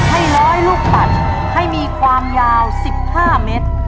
ให้ร้อยลูกปั่นให้มีความยาว๑๕เมตร